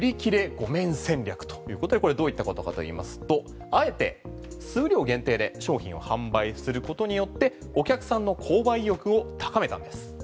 御免戦略ということでこれどういったことかといいますとあえて数量限定で商品を販売することによってお客さんの購買意欲を高めたんです。